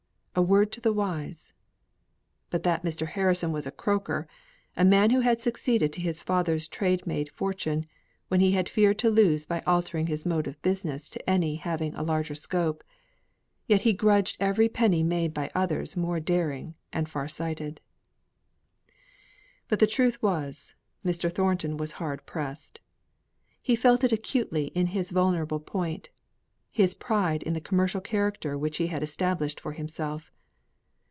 a word to the wise!" But that Mr. Harrison was a croaker, a man who had succeeded to his father's trade made fortune, which he had feared to lose by altering his mode of business to any having a larger scope; yet he grudged every penny made by others more daring and far sighted. But the truth was, Mr. Thornton was hard pressed. He felt it acutely in his vulnerable point his pride in the commercial character which he had established for himself.